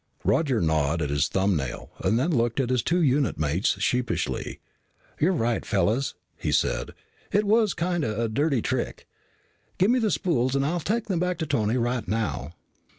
Roger gnawed at his thumbnail and then looked at his two unit mates sheepishly. "You're right, fellas," he said. "It was kind of a dirty trick. Give me the spools. I'll take them back to Tony right now."